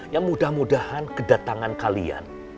ya mudah mudahan kedatangan kalian